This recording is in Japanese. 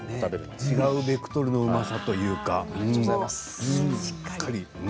違うベクトルのうまさというかね。